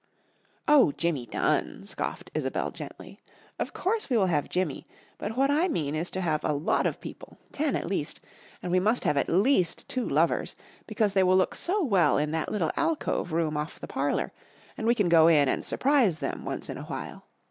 "Oh! Jimmy Dunn!" scoffed Isobel gently. "Of course we will have Jimmy, but what I mean is to have a lot of people ten at least and we must have at least two lovers, because they will look so well in that little alcove room off the parlour, and we can go in and surprise them once in a while.